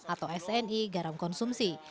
atau sni garam konsumsi